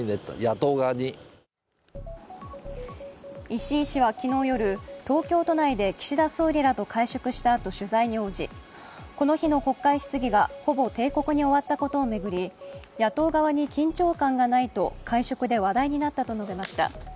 石井氏は昨日夜東京都内で岸田総理らと会食したあと取材に応じこの日の国会質疑がほぼ定刻に終わったことを巡り、野党側に緊張感がないと会食で話題になったと述べました。